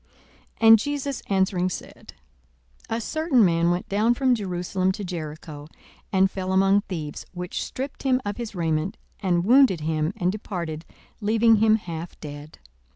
42:010:030 And Jesus answering said, A certain man went down from Jerusalem to Jericho, and fell among thieves, which stripped him of his raiment, and wounded him, and departed, leaving him half dead.